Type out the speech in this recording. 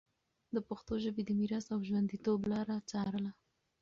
د پښتو ژبي د میراث او ژونديتوب لاره څارله